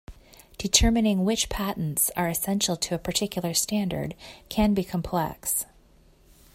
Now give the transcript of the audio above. Determining which patents are essential to a particular standard can be complex.